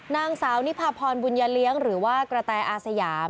นางสาวนิพาพรบุญยเลี้ยงหรือว่ากระแตอาสยาม